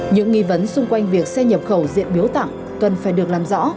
những nghi vấn xung quanh việc xe nhập khẩu diện biểu tạng cần phải được làm rõ